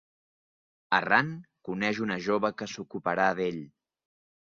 Errant, coneix una jove que s'ocuparà d'ell.